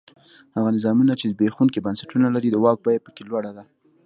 هغه نظامونه چې زبېښونکي بنسټونه لري د واک بیه په کې لوړه ده.